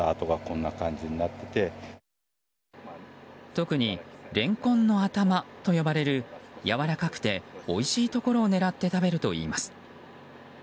特に、レンコンの頭と呼ばれるやわらかくておいしいところを狙って食べるといいます。